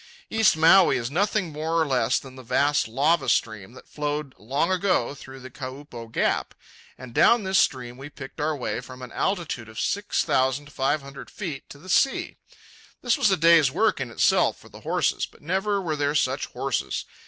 East Maui is nothing more or less than the vast lava stream that flowed long ago through the Kaupo Gap; and down this stream we picked our way from an altitude of six thousand five hundred feet to the sea. This was a day's work in itself for the horses; but never were there such horses.